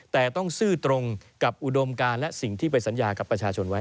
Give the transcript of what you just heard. แต่ต้องซื่อตรงกับอุดมการและสิ่งที่ไปสัญญากับประชาชนไว้